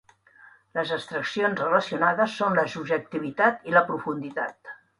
Les abstraccions relacionades són la subjectivitat i la profunditat.